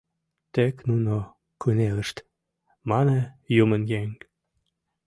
Тек нуно кынелышт», — мане «юмын еҥ».